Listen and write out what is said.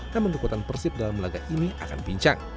namun kekuatan persib dalam laga ini akan bincang